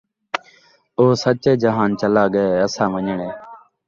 او سچے جہان چلا ڳئے اساں ونڄݨے